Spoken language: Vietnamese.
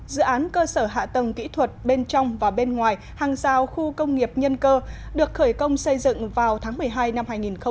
dự án cơ sở hạ tầng kỹ thuật bên trong và bên ngoài hàng rào khu công nghiệp nhân cơ được khởi công xây dựng vào tháng một mươi hai năm hai nghìn một mươi